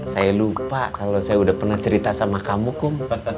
saya lupa kalau saya udah pernah cerita sama kamu kok